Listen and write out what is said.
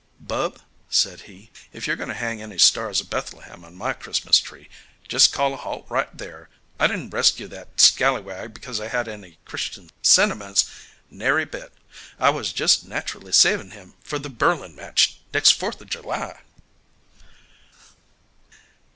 "Bub," said he, "if you're going to hang any stars of Bethlehem on my Christmas tree, just call a halt right here. I didn't rescue that scalawag because I had any Christian sentiments, nary bit. I was just naturally savin' him for the birling match next Fourther July."